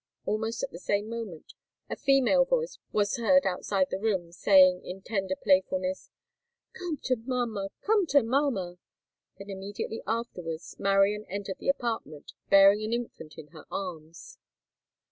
Almost at the same moment, a female voice was heard outside the room, saying, in tender playfulness, "Come to mamma! come to mamma!" Then, immediately afterwards, Marian entered the apartment, bearing an infant in her arms.